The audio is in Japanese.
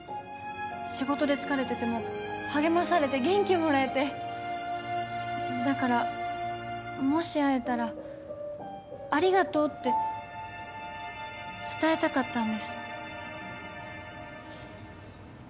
仕事で疲れてても励まされて元気をもらえてだからもし会えたらありがとうって伝えたかったんです